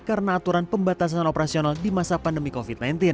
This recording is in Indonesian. karena aturan pembatasan operasional di masa pandemi covid sembilan belas